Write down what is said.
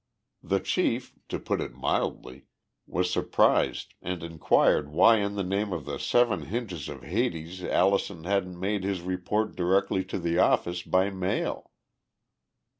The chief, to put it mildly, was surprised and inquired why in the name of the seven hinges of Hades Allison hadn't made his report directly to the office by mail.